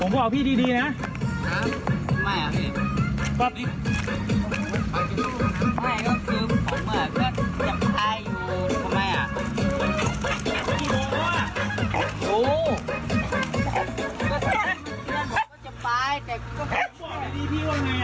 ไม่ใช่พี่ขอโทษพี่